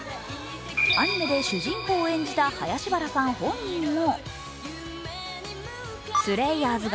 アニメで主人公を演じた林原さん本人も。